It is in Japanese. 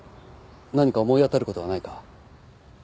何か思い当たる事はないか？